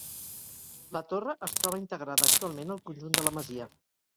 La torre es troba integrada actualment al conjunt de la masia.